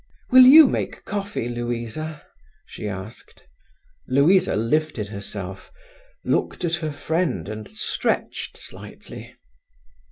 "Will you make coffee, Louisa?" she asked. Louisa lifted herself, looked at her friend, and stretched slightly.